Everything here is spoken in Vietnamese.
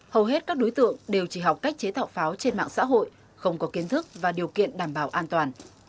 hầu hết các đối tượng đều chỉ học cách chế tạo pháo trên mạng xã hội không có kiến thức và điều kiện đảm bảo an toàn